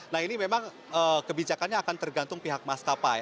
nah ini memang kebijakannya akan tergantung pihak maskapai